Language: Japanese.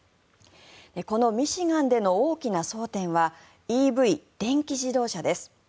このミシガンでの大きな争点はＥＶ・電気自動車です。